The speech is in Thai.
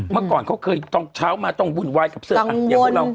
เมื่อก่อนเค้าเคยเช้ามาต้องวุ่นวายกับเสือผ้านาภ